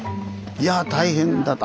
いやぁ大変だった。